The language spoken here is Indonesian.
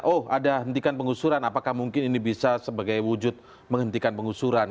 oh ada hentikan pengusuran apakah mungkin ini bisa sebagai wujud menghentikan pengusuran